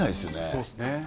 そうですね。